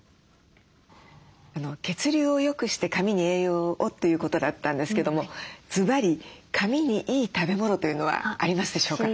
血流をよくして髪に栄養をということだったんですけどもずばり髪にいい食べ物というのはありますでしょうか？